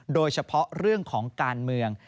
โดยเฉพาะเรื่องของการเมือง